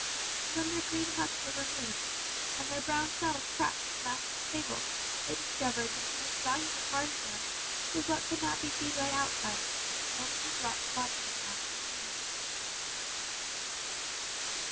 "And when their green husks were removed, and their brown shells cracked at the master's table, they discovered that the most valuable part of them was what could not be seen by outsiders, and could only be brought to light by the master's hand."